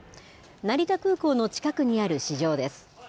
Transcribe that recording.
成田空港の近くにある市場です。